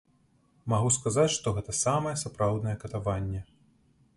Магу сказаць, што гэта самае сапраўднае катаванне.